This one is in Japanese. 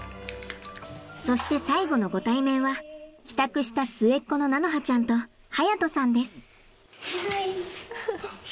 そして最後のご対面は帰宅した末っ子の菜花ちゃんと隼人さんです。